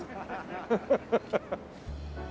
ハハハハハ。